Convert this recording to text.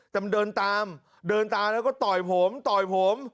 แต่มันเดินตามเดินตามแล้วก็ต่อยผมต่อยผม